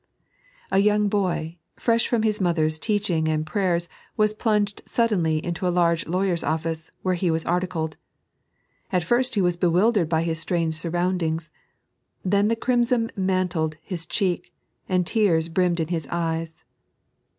A young boy, fresh from his mother's teaching and prayers, was plunged suddenly into a large lawyer's office, where he was articled. At first he was bewildered by his sl^'ange surroundings, then the crimson mantled his cheek, and tears brimmed in his eyes.